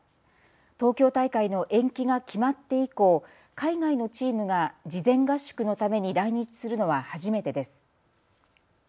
東京大会の延期が決まって以降、海外のチームが事前合宿のために来日するのは初めてです。